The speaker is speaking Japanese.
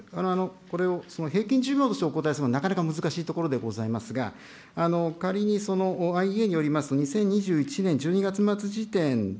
これを平均寿命としてお答えするのはなかなか難しいところでございますが、仮に、ＩＡＥＡによりますと２０２１年１２月末時点で、